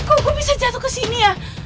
kok gue bisa jatuh kesini ya